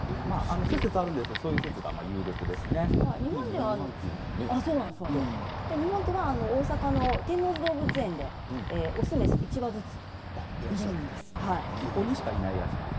諸説あるんですけど日本では大阪の天王寺動物園で雄雌１羽ずついるんです。